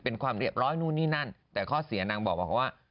เป็นความเรียบร้อยนู่นนี่นั่นแต่ข้อเสียนางบอกว่า